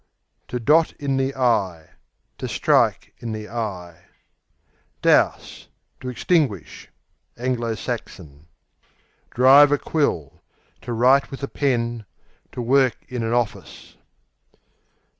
Dot in the eye, to To strike in the eye. Douse To extinguish (Anglo Saxon). Drive a quill To write with a pen; to work in an office.